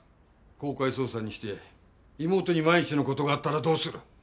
公開捜査にして妹に万一の事があったらどうする！